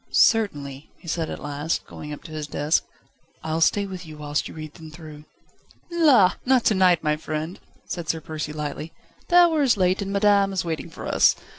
"Certainly," he said at last, going up to his desk. "I'll stay with you whilst you read them through." "La! not to night, my friend," said Sir Percy lightly; "the hour is late, and madame is waiting for us.